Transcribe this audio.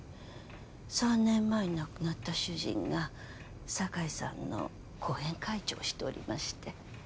３年前に亡くなった主人が酒井さんの後援会長をしておりまして。